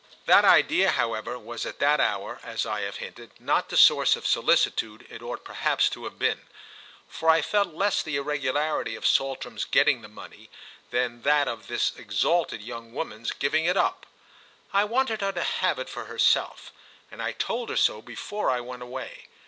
That idea, however, was at that hour, as I have hinted, not the source of solicitude it ought perhaps to have been, for I felt less the irregularity of Saltram's getting the money than that of this exalted young woman's giving it up. I wanted her to have it for herself, and I told her so before I went away.